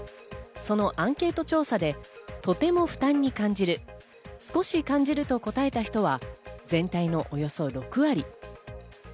そのアンケート調査でとても負担に感じる、少し感じると答えた人は全体のおよそ６割。